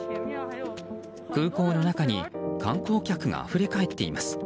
空港の中に観光客があふれかえっています。